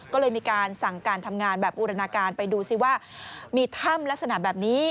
ก็เลยมีการสั่งการทำงานแบบบูรณาการไปดูซิว่ามีถ้ำลักษณะแบบนี้